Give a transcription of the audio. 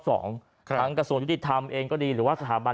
สองครับทั้งกระศวนยุติธรรมเองก็ดีหรือว่าสถาบัน